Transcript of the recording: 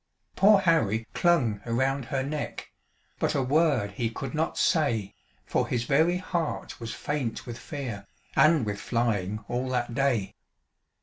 Poor Harry clung around her neck, But a word he could not say, For his very heart was faint with fear, And with flying all that day.